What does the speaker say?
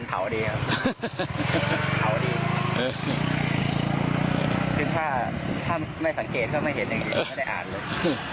คือถ้าไม่สังเกตก็ไม่เห็นอย่างเดียวไม่ได้อ่านเลย